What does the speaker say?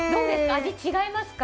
味違いますか？